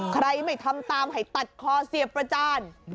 ใครไม่ทำตามให้ตัดคอเสียประจาน